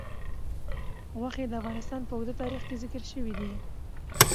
غوښې د افغانستان په اوږده تاریخ کې ذکر شوي دي.